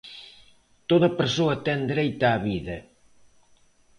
Toda persoa ten dereito á vida.